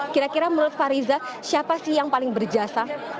kira kira menurut fariza siapa sih yang paling berjasa